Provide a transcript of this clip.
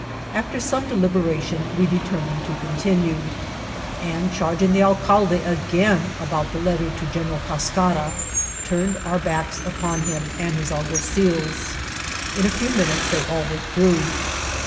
After some deliberation we determined to continue ; and, charging the alcalde again about the letter to General Cascara, turned our backs upon him and his alguazils. In a few minutes they all withdrew.